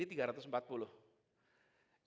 yang tergenang ada sembilan ratus lima puluh lima air terjun